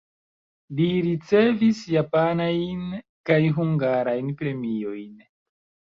Li ricevis japanajn kaj hungarajn premiojn.